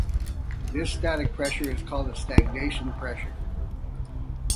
This static pressure is called the stagnation pressure.